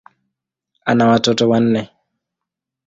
Ana watoto wanne.